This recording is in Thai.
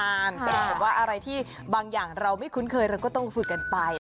แต่ว่าอะไรที่บางอย่างเราไม่คุ้นเคยเราก็ต้องฝึกกันไป